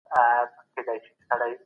تل د خپل هېواد د پرمختګ لپاره هڅه وکړئ.